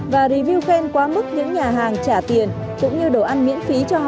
và review khen quá mức những nhà hàng trả tiền cũng như đồ ăn miễn phí cho họ